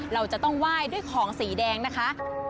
เราจะต้องไหว้ด้วยของสีแดงนะคะ